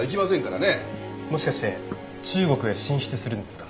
もしかして中国へ進出するんですか？